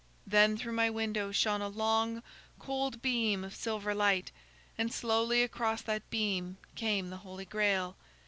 Then through my window shone a long cold beam of silver light, and slowly across that beam came the Holy Grail.